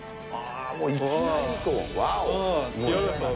もういきなり。